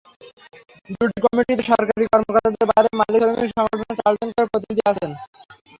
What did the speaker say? দুটি কমিটিতেই সরকারি কর্মকর্তাদের বাইরে মালিক-শ্রমিক সংগঠনের চারজন করে প্রতিনিধি আছেন।